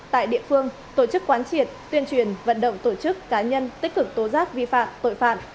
tại địa phương tổ chức quán triệt tuyên truyền vận động tổ chức cá nhân tích cực tố giác vi phạm tội phạm